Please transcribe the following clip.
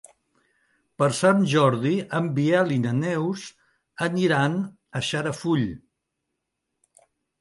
Per Sant Jordi en Biel i na Neus aniran a Xarafull.